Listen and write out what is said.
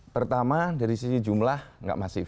pertama dari sisi jumlah nggak masif